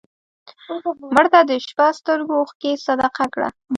مړه ته د شپه سترګو اوښکې صدقه کړه